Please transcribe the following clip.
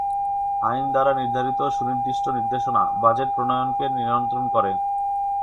আইন দ্বারা নির্ধারিত সুনির্দিষ্ট নির্দেশনা বাজেট প্রণয়নকে নিয়ন্ত্রণ করে।